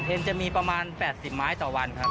จะมีประมาณ๘๐ไม้ต่อวันครับ